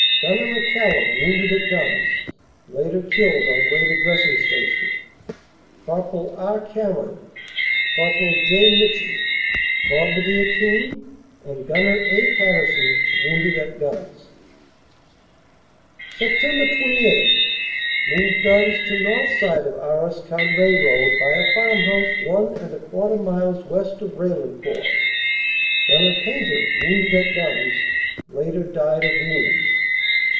Gunner McCallum wounded at guns, later killed on way to dressing station. Corpl. R. Cameron, Corpl. J. Mitchen, Bombadier King and Gunner A. Patterson wounded at guns. "Sept. 28 Moved guns to north side of Arras Cambrai road by a farmhouse one and a quarter miles west of Raillen court. Gnr. Painter wounded at guns, later died of wounds.